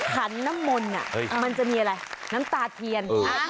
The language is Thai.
ขันน้ำมนต์มันจะมีอะไรน้ำตาเทียน